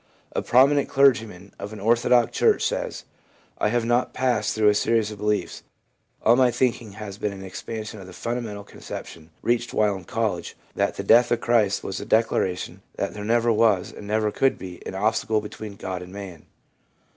A prominent clergyman of an orthodox church says : i I have not passed through a series of beliefs ; all my thinking has been an expansion of the fundamental conception, reached while in college, that the death of Christ was a declaration that there never was, and never could be, an obstacle between God and man.